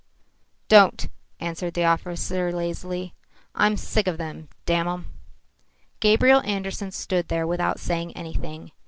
"Don't," answered the officer lazily. "I'm sick of them, damn 'em." Gabriel Andersen stood there without saying anything.